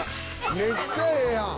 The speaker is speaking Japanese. めっちゃええやん！